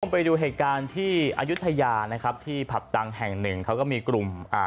ไปดูเหตุการณ์ที่อายุทยานะครับที่ผับดังแห่งหนึ่งเขาก็มีกลุ่มอ่า